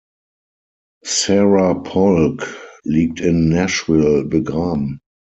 Sarah Polk liegt in Nashville begraben.